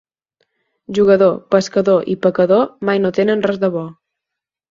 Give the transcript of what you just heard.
Jugador, pescador i pecador mai no tenen res de bo.